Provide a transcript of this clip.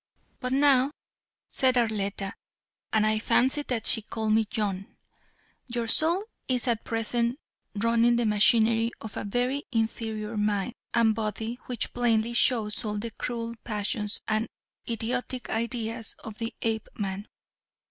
"But now," said Arletta, and I fancied that she called me John, "your soul is at present running the machinery of a very inferior mind and body which plainly shows all the cruel passions and idiotic ideas of the Apeman.